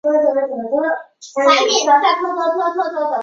毕业于二炮指挥学院军队政治工作专业。